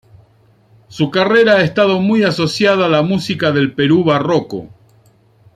Su carrera ha estado muy asociada a la música del Perú barroco.